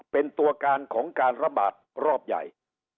เป็นตัวการของการระบาดรอบใหญ่